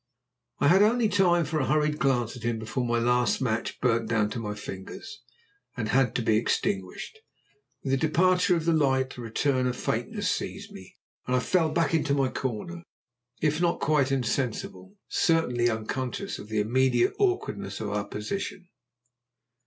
I had only time for a hurried glance at him before my last match burned down to my fingers, and had to be extinguished. With the departure of the light a return of faintness seized me, and I fell back into my corner, if not quite insensible, certainly unconscious of the immediate awkwardness of our position.